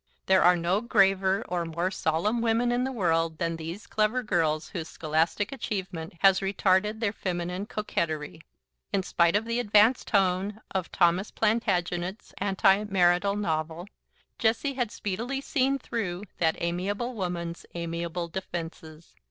There are no graver or more solemn women in the world than these clever girls whose scholastic advancement has retarded their feminine coquetry. In spite of the advanced tone of 'Thomas Plantagenet's' antimarital novel, Jessie had speedily seen through that amiable woman's amiable defences.